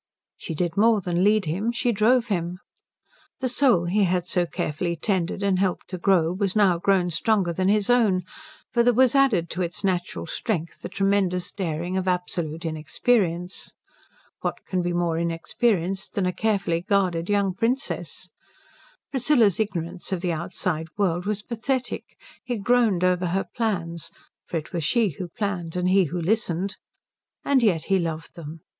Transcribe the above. She did more than lead him; she drove him. The soul he had so carefully tended and helped to grow was now grown stronger than his own; for there was added to its natural strength the tremendous daring of absolute inexperience. What can be more inexperienced than a carefully guarded young princess? Priscilla's ignorance of the outside world was pathetic. He groaned over her plans for it was she who planned and he who listened and yet he loved them.